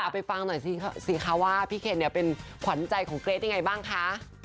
ไปฟังสิคะว่าพี่เค็นเป็นขวัญใจของเกรธไงบ้างคะ